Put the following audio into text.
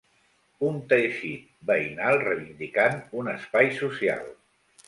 Un teixit veïnal reivindicant ‘un espai social’.